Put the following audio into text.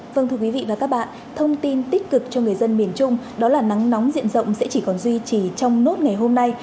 vâng thưa quý vị và các bạn thông tin tích cực cho người dân miền trung đó là nắng nóng diện rộng sẽ chỉ còn duy trì trong nốt ngày hôm nay